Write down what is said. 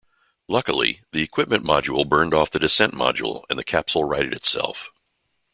Luckily, the equipment module burned off the descent module and the capsule righted itself.